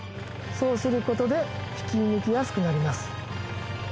そうすることで引き抜きやすくなります